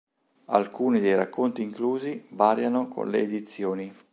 Alcuni dei racconti inclusi variano con le edizioni.